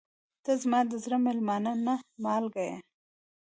• ته زما د زړه میلمانه نه، مالک یې.